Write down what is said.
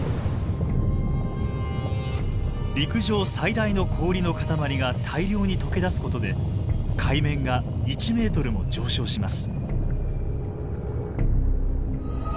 陸上最大の氷の塊が大量に解け出すことで海面が１ｍも上昇します。